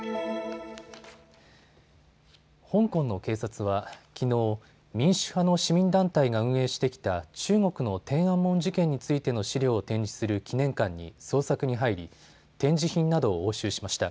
香港の警察はきのう、民主派の市民団体が運営してきた中国の天安門事件についての資料を展示する記念館に捜索に入り、展示品などを押収しました。